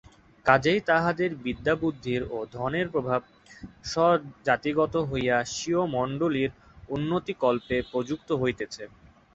কাজেই তাহাদের বিদ্যাবুদ্ধির ও ধনের প্রভাব স্বজাতিগত হইয়া স্বীয় মণ্ডলীর উন্নতিকল্পে প্রযুক্ত হইতেছে।